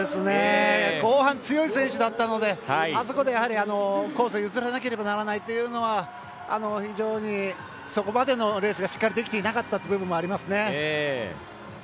後半強い選手だったのであそこでコースを譲らなければならないというのは非常にそこまでのレースがしっかりできていなかった部分もありますね。